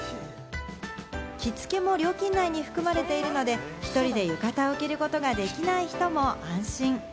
着付けも料金内に含まれているので、１人で浴衣を着ることができない人も安心。